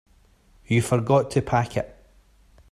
You forgot to pack it.